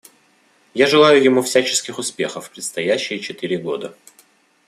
Я желаю ему всяческих успехов в предстоящие четыре года.